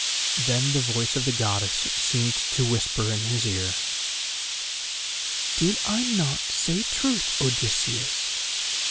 Then the voice of the Goddess seemed to whisper in his ear: "Did I not say truth, Odysseus?